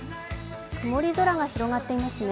曇り空が広がっていますね。